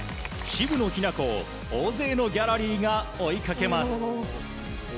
渋野日向子を大勢のギャラリーが追いかけます。